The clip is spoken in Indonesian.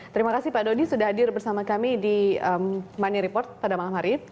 terima kasih pak dodi sudah hadir bersama kami di money report pada malam hari ini